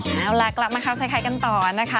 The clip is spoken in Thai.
เอาล่ะกลับมาครับใส่คล้ายกันต่อนะคะ